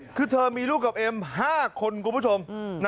คือเธอมีลูกกับเอ็ม๕คนคุณผู้ชม